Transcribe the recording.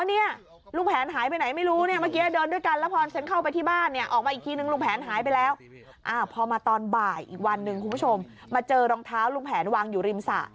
อีกวันนึงคุณผู้ชมมาเจอรองเท้าลุงแผนวางอยู่ริมสะ